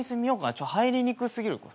ちょっ入りにく過ぎる。